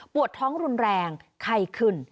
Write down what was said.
ปวดท้องรุนแรงไคขึ้น